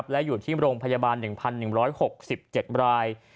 และอยู่ที่โรงพยาบาล๑๑๖๗ราย